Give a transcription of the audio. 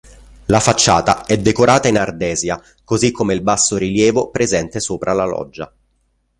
La facciata è decorata in ardesia così come il bassorilievo presente sopra la loggia.